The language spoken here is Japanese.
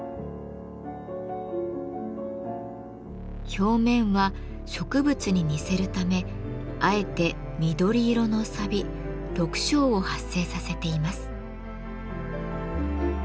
表面は植物に似せるためあえて緑色のさび緑青を発生させています。